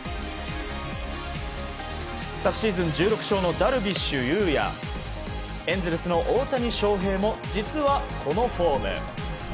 昨シーズン１６勝のダルビッシュ有やエンゼルスの大谷翔平も実はこのフォーム。